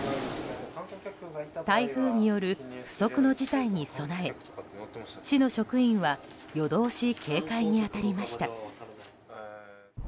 台風による不測の事態に備え市の職員は夜通し警戒に当たりました。